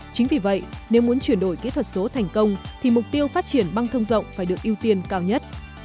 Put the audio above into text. chính vì vậy nếu muốn chuyển đổi kỹ thuật số thành công thì mục tiêu phát triển băng thông rộng phải được ưu tiên cao nhất